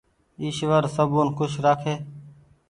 ايشور سبون کوش رآکي